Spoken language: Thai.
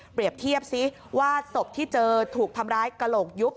เทียบซิว่าศพที่เจอถูกทำร้ายกระโหลกยุบ